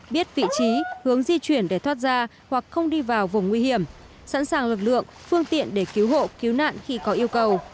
biết vị trí hướng di chuyển để thoát ra hoặc không đi vào vùng nguy hiểm sẵn sàng lực lượng phương tiện để cứu hộ cứu nạn khi có yêu cầu